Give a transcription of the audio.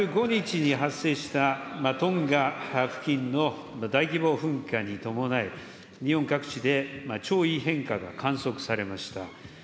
１５日に発生したトンガ付近の大規模噴火に伴い、日本各地で潮位変化が観測されました。